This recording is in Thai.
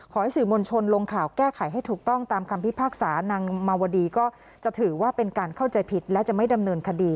ขอให้สื่อมวลชนลงข่าวแก้ไขให้ถูกต้องตามคำพิพากษานางมาวดีก็จะถือว่าเป็นการเข้าใจผิดและจะไม่ดำเนินคดี